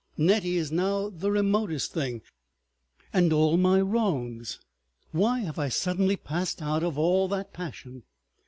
Nettie is now the remotest thing—and all my wrongs. Why have I suddenly passed out of all that passion?